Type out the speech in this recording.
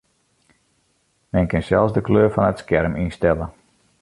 Men kin sels de kleur fan it skerm ynstelle.